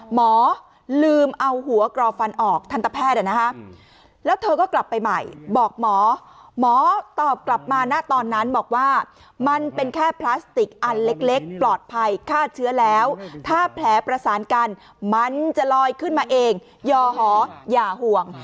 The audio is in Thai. หมอตอบกลับมาหน้าตอนนั้นบอกว่ามันเป็นแค่พลาสติกอันเล็กปลอดภัยฆ่าเชื้อแล้วถ้าแผลประสานกันมันจะลอยขึ้นมาเองยอหออย่าห่วง